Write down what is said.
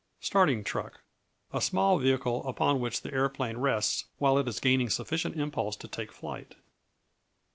Starting Truck A small vehicle upon which the aeroplane rests while it is gaining sufficient impulse to take flight.